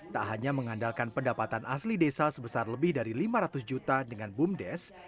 tak hanya mengandalkan pendapatan asli desa sebesar lebih dari lima ratus juta dengan bumdes